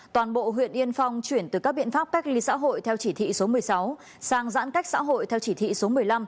toàn bộ huyện yên phong chuyển từ các biện pháp cách ly xã hội theo chỉ thị số một mươi sáu sang giãn cách xã hội theo chỉ thị số một mươi năm